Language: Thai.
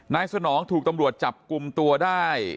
สนองถูกตำรวจจับกลุ่มตัวได้